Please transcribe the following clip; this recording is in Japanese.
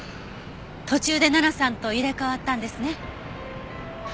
途中で奈々さんと入れ替わったんですね。